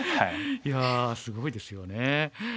いやすごいですよね。